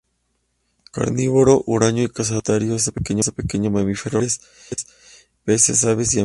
Carnívoro huraño y cazador solitario de pequeños mamíferos, reptiles, peces, aves y anfibios.